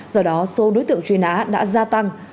do đó số đối tượng truy nã đã gia tăng